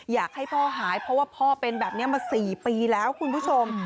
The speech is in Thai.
อยากให้พ่อหายเพราะว่าพ่อเป็นแบบนี้มา๔ปีแล้วคุณผู้ชม